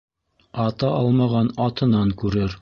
Ата алмаған атынан күрер